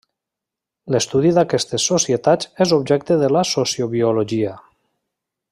L'estudi d'aquestes societats és objecte de la sociobiologia.